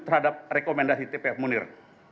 terhadap rekomendasi tpf munir